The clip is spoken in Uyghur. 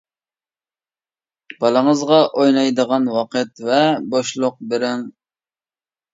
بالىڭىزغا ئوينايدىغان ۋاقىت ۋە بوشلۇق بېرىڭ.